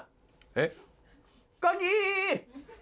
えっ？